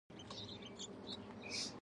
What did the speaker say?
دا نښې وروسته په بشپړ خط بدلې شوې.